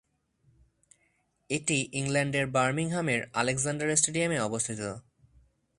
এটি ইংল্যান্ডের বার্মিংহামের আলেকজান্ডার স্টেডিয়ামে অবস্থিত।